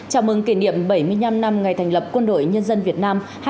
chào mừng kỷ niệm bảy mươi năm năm ngày thành lập quân đội nhân dân việt nam